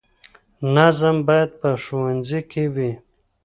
نظم باید په ښوونځي کې وي.